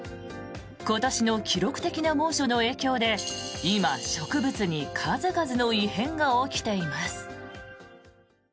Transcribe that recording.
今年の記録的な猛暑の影響で今、植物に数々の異変が起きています。